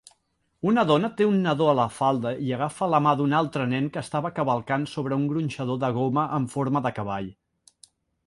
Una dona té un nadó a la falda i agafa la mà d'un altre nen que està cavalcant sobre un gronxador de goma amb forma de cavall